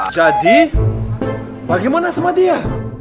jadi bagaimana sama dia